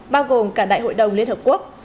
bao gồm cả đại hội đồng liên hợp quốc